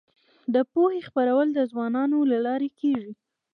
د پوهې خپرول د ځوانانو له لارې کيږي.